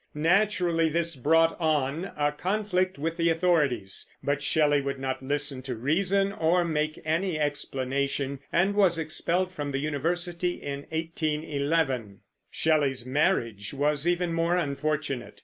Naturally this brought on a conflict with the authorities, but Shelley would not listen to reason or make any explanation, and was expelled from the university in 1811. Shelley's marriage was even more unfortunate.